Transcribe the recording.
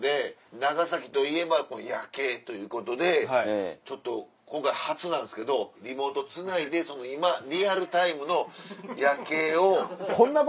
長崎といえば夜景ということでちょっと今回初なんですけどリモートつないで今リアルタイムの夜景を。